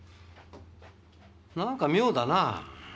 何か妙だなぁ。